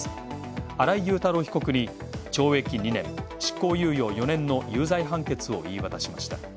新井雄太郎被告に、懲役２年、執行猶予４年の有罪判決を言い渡しました。